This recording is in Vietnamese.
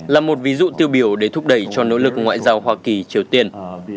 là một ví dụ tiêu biểu để thúc đẩy cho nỗ lực ngoại giao hoa kỳ triều tiên